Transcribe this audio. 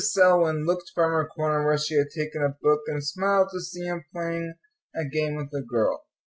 Selwyn looked from her corner where she had taken a book, and smiled to see him playing a game with a girl.